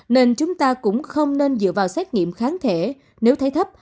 nên chúng ta cũng không nên dựa vào xét nghiệm kháng thể nếu thấy thấp